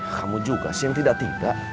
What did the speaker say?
kamu juga sih yang tidak tidak